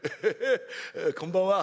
こんばんは。